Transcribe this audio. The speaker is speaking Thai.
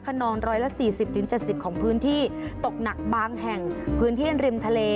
นองร้อยละ๔๐๗๐ของพื้นที่ตกหนักบางแห่งพื้นที่ริมทะเล